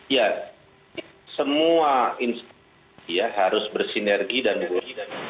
jadi semua instansi ya harus bersinergi dan bergurau